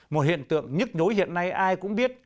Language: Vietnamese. một hiện tượng nhất đối hiện nay ai cũng biết